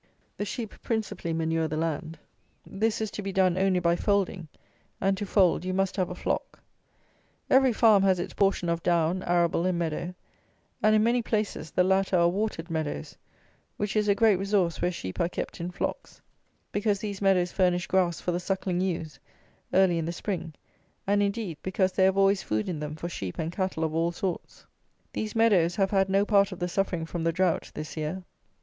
The sheep principally manure the land. This is to be done only by folding; and, to fold, you must have a flock. Every farm has its portion of down, arable, and meadow; and, in many places, the latter are watered meadows, which is a great resource where sheep are kept in flocks; because these meadows furnish grass for the suckling ewes, early in the spring; and, indeed, because they have always food in them for sheep and cattle of all sorts. These meadows have had no part of the suffering from the drought, this year.